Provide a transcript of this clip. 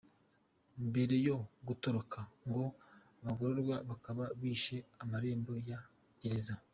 Mbere yo gutoroka ngo abagororwa bakaba bishe amarembo ya gereza.